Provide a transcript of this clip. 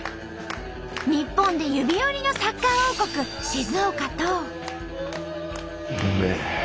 日本で指折りのサッカー王国静岡と。